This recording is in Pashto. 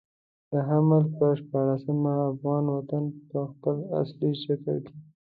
د حمل پر شپاړلسمه افغان وطن په خپل اصلي شکل کې.